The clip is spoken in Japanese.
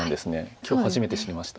今日初めて知りました。